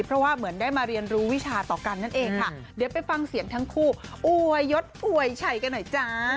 เพราะว่าเหมือนได้มาเรียนรู้วิชาต่อกันนั่นเองค่ะเดี๋ยวไปฟังเสียงทั้งคู่อวยยศอวยชัยกันหน่อยจ้า